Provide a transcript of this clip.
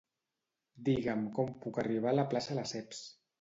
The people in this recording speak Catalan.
Digue'm com puc arribar a la Plaça Lesseps.